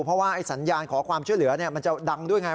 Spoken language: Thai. เพราะว่าสัญญาณขอความช่วยเหลือมันจะดังด้วยไง